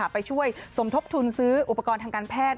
ไปช่วยสมทบทุนซื้ออุปกรณ์ทางการแพทย์